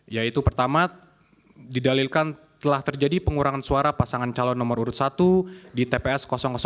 yaitu pertama didalilkan telah terjadi pengurangan suara pasangan calon nomor urut satu di tps satu